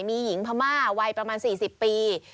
มีหญิงพม่าวัยประมาณ๔๐ปี